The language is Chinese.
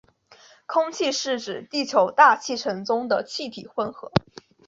空气是指地球大气层中的气体混合。